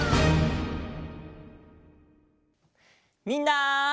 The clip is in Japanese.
みんな！